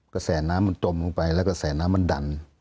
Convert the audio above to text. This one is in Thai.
กระแสน้ำมันจมลงไปแล้วกระแสน้ำมันดัน